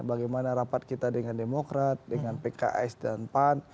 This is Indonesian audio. bagaimana rapat kita dengan demokrat dengan pks dan pan